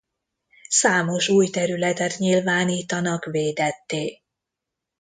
Számos új területet nyilvánítanak védetté.